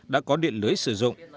đã có điện lưới sử dụng